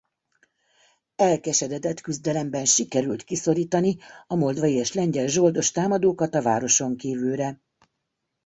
Elkeseredett küzdelemben sikerült kiszorítani a moldvai és lengyel zsoldos támadókat a városon kívülre.